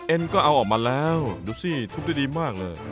เอ็นก็เอาออกมาแล้วโทษสุดที่ดีมากเลย